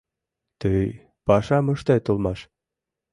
Тый пашам ыштет улмаш.